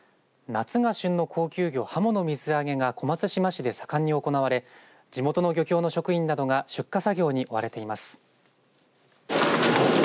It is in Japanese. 夏が旬の高級魚ハモの水揚げが小松島市で盛んに行われ地元の漁協の職員などが出荷作業に追われています。